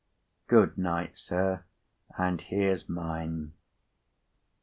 "Good night, sir, and here's mine."